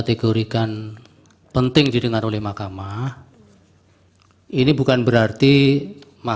terima kasih yang mulia